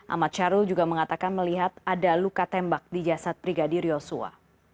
ahmad syarul juga mengatakan melihat ada luka tembak di jasad brigadir yosua